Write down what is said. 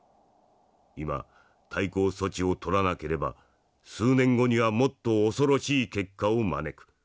今対抗措置をとらなければ数年後にはもっと恐ろしい結果を招く。